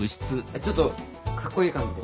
ちょっとかっこいい感じで。